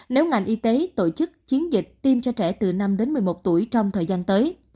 nếu ngành y tế tổ chức chiến dịch tiêm cho trẻ từ năm đến một mươi một tuổi